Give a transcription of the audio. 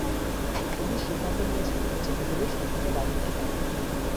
Police সিদ্ধান্ত নিয়েছিল যে এগুলি সন্দেহের আরেকটি কারণ।